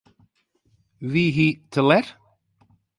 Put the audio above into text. Wie hy te let?